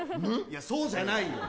いやそうじゃないよ